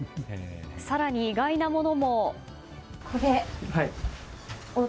更に意外なものも。